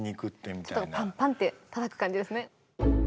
パンパンってたたく感じですね。